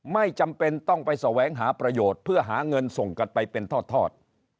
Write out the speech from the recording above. ไม่จำเป็นต้องไปแสวงหาประโยชน์เพื่อหาเงินส่งกันไปเป็นทอด